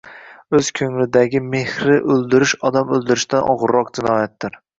O’z ko’nglidagi mehrni o’ldirish odam o’ldirishdan og’irroq jinoyatdir.